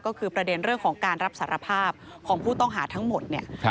ก็คือประเด็นเรื่องของการรับสารภาพของผู้ต้องหาทั้งหมดเนี่ย